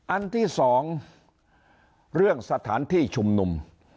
อันที่สองเรื่องสถานที่ชุมนุม